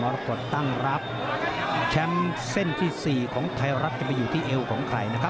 รกฏตั้งรับแชมป์เส้นที่๔ของไทยรัฐจะไปอยู่ที่เอวของใครนะครับ